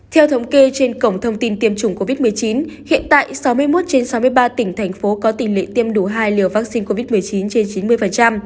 theo thống kê trên cổng thông tin tiêm chủng covid một mươi chín hiện tại sáu mươi một trên sáu mươi ba tỉnh thành phố có tỷ lệ tiêm đủ hai liều vaccine covid một mươi chín trên chín mươi